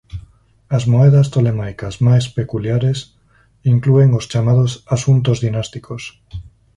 As moedas tolemaicas máis peculiares inclúen os chamados "asuntos dinásticos".